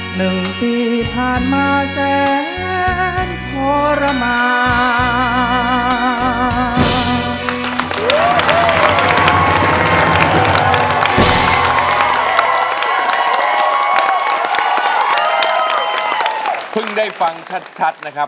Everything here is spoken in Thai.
หนึ่งปีผ่านมาแสนขอรมณา